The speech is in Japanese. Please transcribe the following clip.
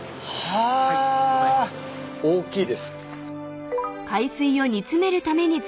はい。